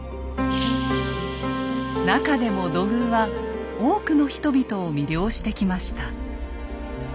なかでも土偶は多くの人々を魅了してきました。